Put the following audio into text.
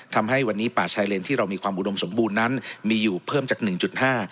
ทำให้วันนี้ป่าชายเลนที่เรามีความอุดมสมบูรณ์นั้นมีอยู่เพิ่มจากหนึ่งจุดห้า